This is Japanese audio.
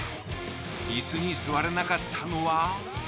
イスに座れなかったのは。